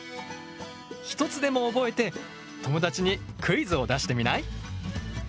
一つでも覚えて友達にクイズを出してみない？